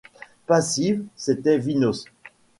Passive, c’était Vinos.